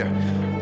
aku gak ngerti